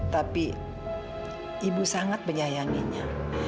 tapi ibu sangat menyayanginya